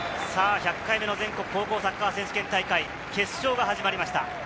１００回目の全国高校サッカー選手権大会、決勝が始まりました。